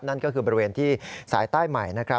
นั่นก็คือบริเวณที่สายใต้ใหม่นะครับ